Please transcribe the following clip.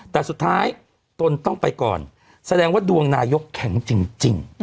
แต่สุดท้ายตนต้องไปก่อนแสดงว่าดวงนายกแข็งจริง